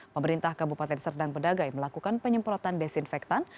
pemerintah kabupaten serdang bedagai melakukan penyemprotan desinfektan